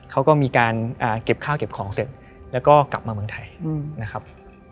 เขาก็มีการเก็บข้าวเก็บของเสร็จแล้วก็กลับมาเมืองไทยนะครับ